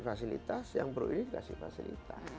fasilitas yang pro ini dikasih fasilitas